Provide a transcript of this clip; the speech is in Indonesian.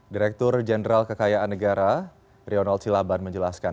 direktur jenderal kekayaan negara rionald cilaban menjelaskan